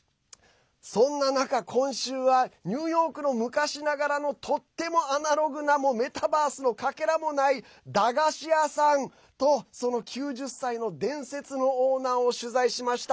そんな中、今週はニューヨークの昔ながらの、とってもアナログなメタバースのかけらもない駄菓子屋さんとその９０歳の伝説のオーナーを取材しました。